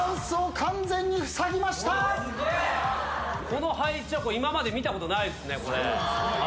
この配置は今まで見たことないですね。